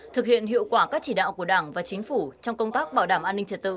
thực hiện hiệu quả các chỉ đạo của đảng và chính phủ trong công tác bảo đảm an ninh trật tự